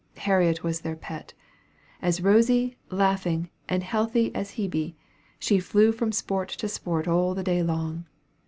Harriet was their pet. As rosy, laughing, and healthy as a Hebe, she flew from sport to sport all the day long.